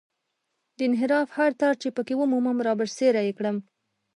د انحراف هر تار چې په کې ومومم رابرسېره یې کړم.